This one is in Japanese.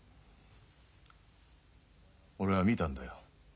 俺は見たんだよ。